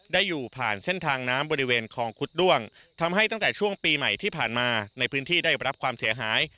ได้อยู่ผ่านเส้นทางน้ำบริเวณคลองคุดด้วงทำให้ตั้งแต่ช่วงปีใหม่ที่ผ่านมาในพื้นที่ได้รับความเสียหาย